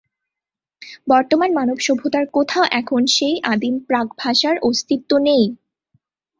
বর্তমান মানব সভ্যতার কোথাও এখন সেই আদিম প্রাক ভাষার অস্তিত্ব নেই।